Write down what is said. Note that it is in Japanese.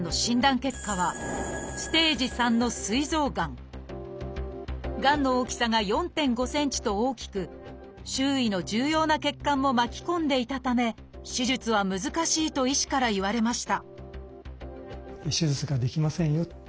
結果はがんの大きさが４．５ｃｍと大きく周囲の重要な血管も巻き込んでいたため手術は難しいと医師から言われました